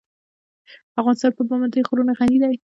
افغانستان په پابندی غرونه غني دی.